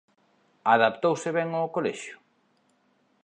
Adaptouse ben ó colexio?